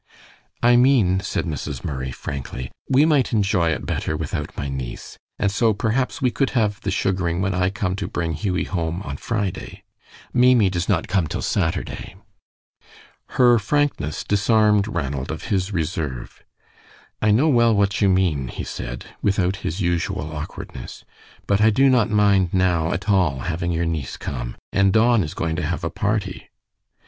"I mean," said Mrs. Murray, frankly, "we might enjoy it better without my niece; and so, perhaps, we could have the sugaring when I come to bring Hughie home on Friday. Maimie does not come till Saturday." Her frankness disarmed Ranald of his reserve. "I know well what you mean," he said, without his usual awkwardness, "but I do not mind now at all having your niece come; and Don is going to have a party."